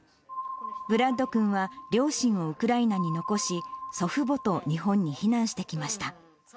ブラッド君は、両親をウクライナに残し、祖父母と日本に避難してきました。